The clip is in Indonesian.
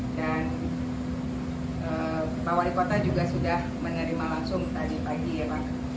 dan pak wali kota juga sudah menerima langsung tadi pagi ya pak